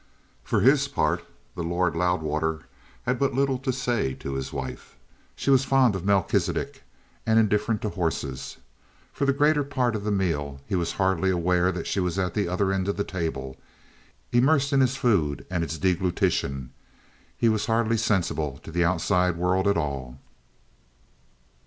For his part, the Lord Loudwater had but little to say to his wife. She was fond of Melchisidec and indifferent to horses. For the greater part of the meal he was hardly aware that she was at the other end of the table. Immersed in his food and its deglutition, he was hardly sensible of the outside world at all.